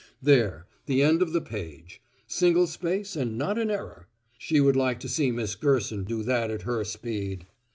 There, the end of the page. Single space and not an error. She would like to see Miss Gerson do that at her speed.